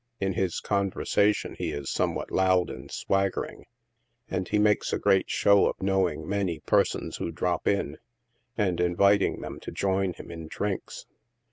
In his conversation he is some what loud and swaggering, and he makes a great show of knowing many persons who drop in, and inviting them to join him in drinks.